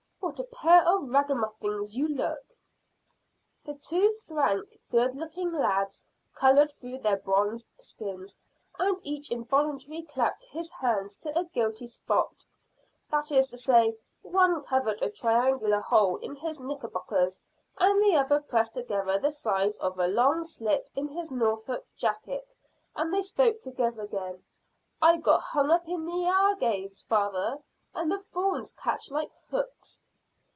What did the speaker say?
What a pair of ragamuffins you look!" The two frank, good looking lads coloured through their bronzed skins, and each involuntarily clapped his hand to a guilty spot that is to say, one covered a triangular hole in his knickerbockers and the other pressed together the sides of a long slit in his Norfolk jacket, and they spoke together again. "I got hung up in the agaves, father, and the thorns catch like hooks."